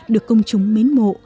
được công chúng mến mộ